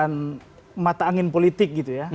bukan mata angin politik gitu ya